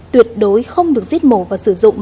tuyệt đối không được giết mổ và sử dụng